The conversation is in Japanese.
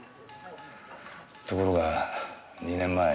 ところが２年前。